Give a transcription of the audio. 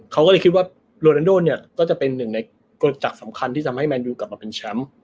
เขาก็เลยคิดว่าโรดันโดเนี่ยก็จะเป็นหนึ่งในกรุณจักรสำคัญที่ทำให้แมนยูกลับมาเป็นแชมป์